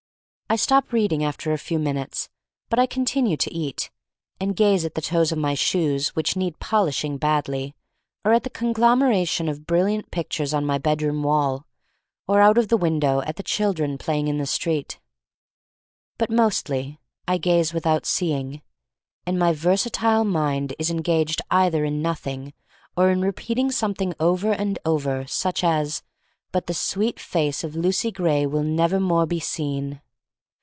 I stop reading after a few minutes, but I continue to eat — and gaze at the toes of my shoes which need polishing badly, or at the con glomeration of brilliant pictures on my bedroom wall, or out of the window at the children playing in the street. But r 246 THE STORY OF MARY MAC LANE mostly I gaze without seeing, aild my versatile mind is engaged either in nothing or in repeating something over and over, such as, "But the sweet face of Lucy Gray will never more be seen."